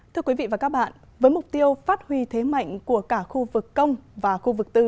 thưa quý vị và các bạn với mục tiêu phát huy thế mạnh của cả khu vực công và khu vực tư